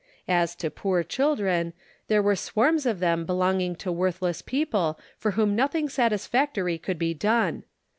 As to poo? children, there were swarms of them belonging to worthless people for whom nothing satisfactory could be done.